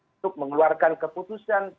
untuk mengeluarkan keputusan